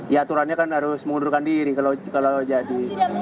ya aturannya kan harus mengundurkan diri kalau jadi